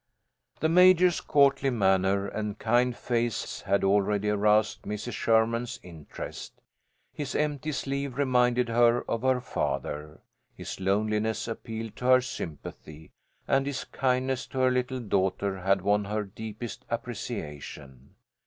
The Major's courtly manner and kind face had already aroused Mrs. Sherman's interest. His empty sleeve reminded her of her father. His loneliness appealed to her sympathy, and his kindness to her little daughter had won her deepest appreciation.